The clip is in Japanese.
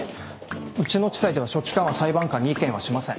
うちの地裁では書記官は裁判官に意見はしません。